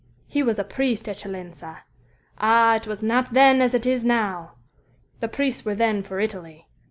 He was a priest, eccellenza. Ah, it was not then as it is now! The priests were then for Italy.